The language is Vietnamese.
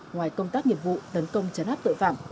ngoài công tác nghiệp vụ tấn công chấn áp tội phạm